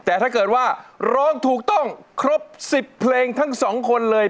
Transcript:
แต่ถ้าเกิดว่าร้องถูกต้องครบ๑๐เพลงทั้งสองคนเลย